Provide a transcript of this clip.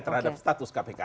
terhadap status kpk